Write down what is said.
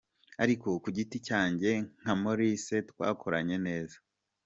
Ariko ku giti cyanjye nka Maurice twakoranye neza”.